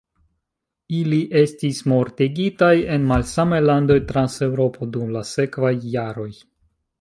Ili estis mortigitaj en malsamaj landoj trans Eŭropo, dum la sekvaj jaroj.